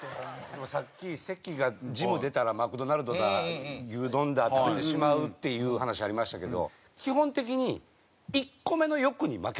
でもさっき関がジム出たらマクドナルドだ牛丼だ食べてしまうっていう話ありましたけど基本的に１個目の欲に負けますよね。